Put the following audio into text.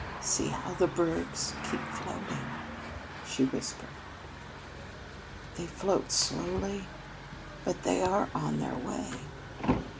"See how the bergs keep floating!" she whispered. "They float slowly, but they are on their way.